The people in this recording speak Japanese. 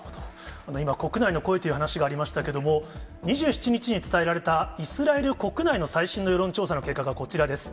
今、国内の声という話がありましたけども、２７日に伝えられたイスラエル国内の最新の世論調査の結果がこちらです。